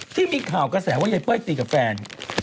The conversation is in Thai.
ที่มีข่าวกระแสว่ายายเป้ยตีกับแฟน